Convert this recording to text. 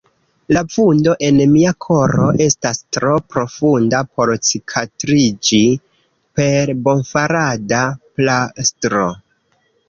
La vundo en mia koro estas tro profunda por cikatriĝi per bonfarada plastro.